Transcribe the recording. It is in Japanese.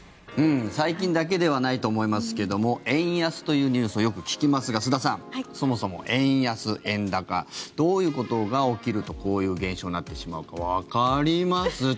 最近だけではないと思いますけども円安というニュースをよく聞きますが須田さん、そもそも円安・円高どういうことが起きるとこういう現象になってしまうかわかります？